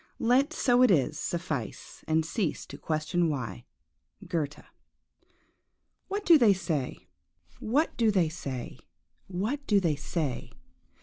Let so it is suffice, and cease to question why." GOETHE. WHAT do they say?–what do they say?–what do they say?